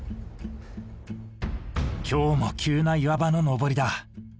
今日も急な岩場の登りだ。